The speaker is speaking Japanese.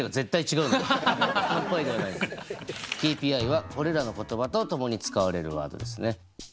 ＫＰＩはこれらの言葉と共に使われるワードですね。